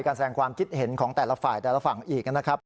แสดงความคิดเห็นของแต่ละฝ่ายแต่ละฝั่งอีกนะครับ